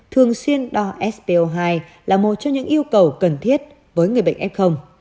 thường xuyên đo sco hai là một trong những yêu cầu cần thiết với người bệnh f